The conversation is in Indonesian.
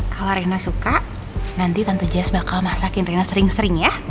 kalau reyna suka nanti tante jess bakal masakin reyna sering sering ya